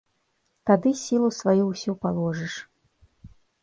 Тады сілу сваю ўсю паложыш.